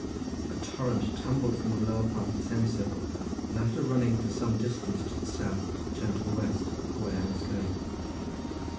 A torrent tumbled from the lower part of the semicircle, and after running for some distance to the south turned to the west, the way I was going.